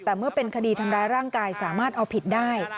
แต่เมื่อเป็นคดีทำร้ายร่างกายสามารถเอาผิดได้